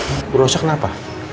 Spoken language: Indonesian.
ibu rosa kenapa